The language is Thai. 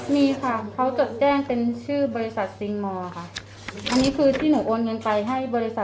มีค่ะเขาจดแจ้งเป็นชื่อบริษัทซิงมอร์ค่ะอันนี้คือที่หนูโอนเงินไปให้บริษัท